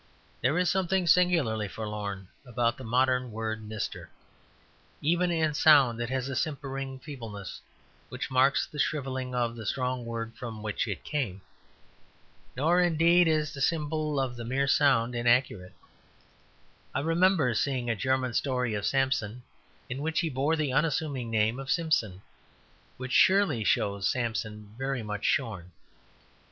There is something singularly forlorn about the modern word "Mister." Even in sound it has a simpering feebleness which marks the shrivelling of the strong word from which it came. Nor, indeed, is the symbol of the mere sound inaccurate. I remember seeing a German story of Samson in which he bore the unassuming name of Simson, which surely shows Samson very much shorn.